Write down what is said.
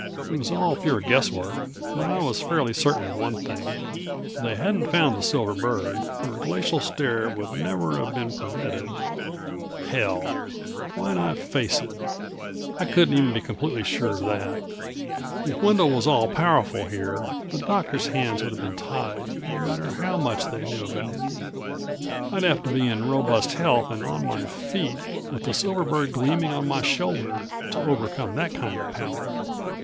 It was all pure guesswork, but I was fairly certain of one thing. They hadn't found the silver bird or Glacial Stare would never have been permitted Hell ... why not face it. I couldn't even be completely sure of that. If Wendel was all powerful here the doctors' hands would be tied, no matter how much they knew about me. I'd have to be in robust health and on my feet, with the silver bird gleaming on my shoulder, to overcome that kind of power.